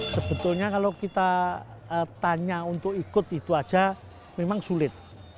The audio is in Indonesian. sebetulnya kalau kita tanya untuk ikut itu aja memang sulit